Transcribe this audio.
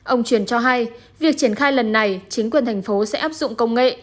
ông truyền cho hay việc triển khai lần này chính quyền thành phố sẽ áp dụng công nghệ